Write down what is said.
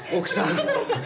見てください！